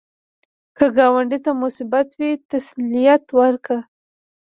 که ګاونډي ته مصیبت وي، تسلیت ورکړه